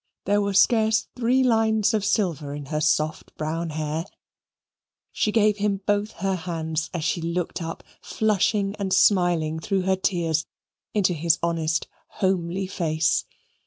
There were scarce three lines of silver in her soft brown hair. She gave him both her hands as she looked up flushing and smiling through her tears into his honest homely face.